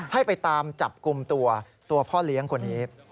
ให้ไปตามจับกลุ่มตัวตัวพ่อเลี้ยงคนนี้